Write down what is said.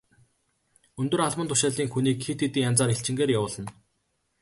Өндөр албан тушаалын хүнийг хэд хэдэн янзаар элчингээр явуулна.